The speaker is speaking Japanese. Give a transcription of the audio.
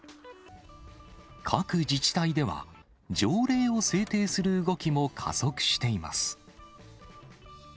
各自治体では、条例を制定する動きも加速しています。